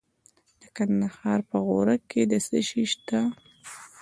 د کندهار په غورک کې څه شی شته؟